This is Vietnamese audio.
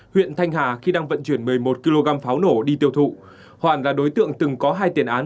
huyện thanh hà khi đang vận chuyển một mươi một kg pháo nổ đi tiêu thụ hoàn là đối tượng từng có hai tiền án